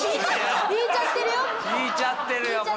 引いちゃってるよ。